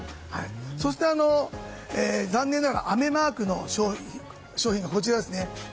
そして、残念ながら雨マークの商品がこちら。